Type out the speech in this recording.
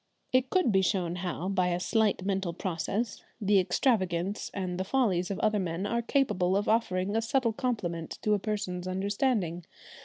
It could be shown how, by a slight mental process, the extravagances and the follies of other men are capable of offering a subtle compliment to a person's understanding.